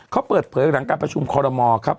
เขาเปิดเผลออย่างการกรรมชุมคอห์ลามอร์ครับ